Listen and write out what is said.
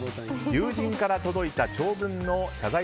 友人から届いた長文の謝罪